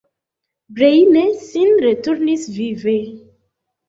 Breine sin returnis vive.